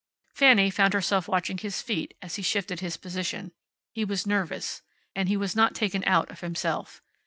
Fanny found herself watching his feet as his shifted his position. He was nervous. And he was not taken out of himself.